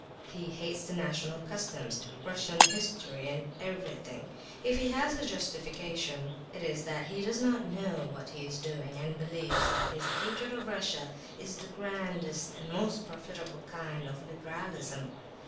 He hates the national customs, Russian history, and everything. If he has a justification, it is that he does not know what he is doing, and believes that his hatred of Russia is the grandest and most profitable kind of liberalism.